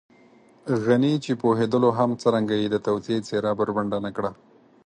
غني چې پوهېدلو هم څرنګه يې د توطیې څېره بربنډه نه کړه.